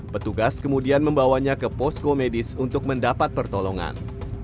petugas kemudian membawanya ke posko medis untuk mendapat pertolongan